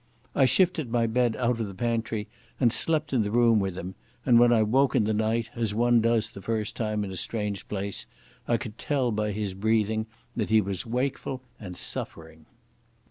I shifted my bed out of the pantry and slept in the room with him, and when I woke in the night, as one does the first time in a strange place, I could tell by his breathing that he was wakeful and suffering.